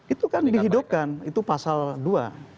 itu kan dihidupkan itu pasal dua